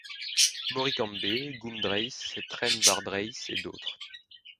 Moricambe, Gumdraith, Trenwardraith et d’autres.